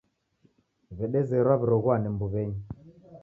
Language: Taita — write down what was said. W'edezerwa w'iroghuane mbuw'enyi.